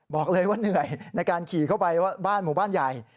บอกเลยว่าเหนื่อยในการขี่เข้าไปบ้านหมู่บ้านใหญ่